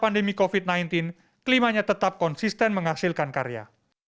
pandemi covid sembilan belas kelimanya tetap konsisten menghasilkan karya